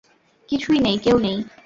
কিছুই নেই, কেউ নেই!